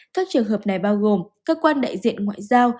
các trường hợp này bao gồm cơ quan đại diện ngoại giao